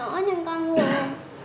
nên con bắt cóc